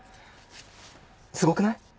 すごくない？